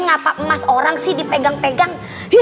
ngapa emas orang sih dipegang pegang